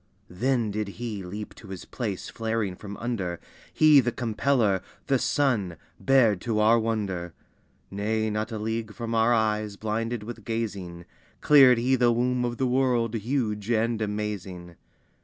Then did He leap to His place flaring from under, He the Compeller, the Sun, bared to our wonder. Nay, not a league from our eyes blinded with gazing, Cleared He the womb of the world, huge and amazing!